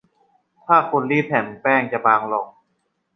ถ้าคุณรีดแผ่นแป้งจะบางลง